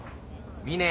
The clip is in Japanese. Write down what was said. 峰。